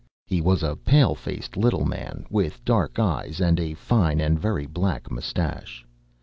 He was a pale faced little man, with dark eyes and a fine and very black moustache.